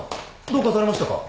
どうかされましたか？